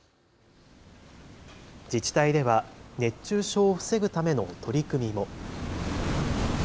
自治体では熱中症を防ぐための取り組みも。